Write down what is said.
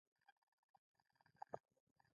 د علامه رشاد لیکنی هنر مهم دی ځکه چې انګلیسي پوهېږي.